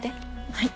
はい。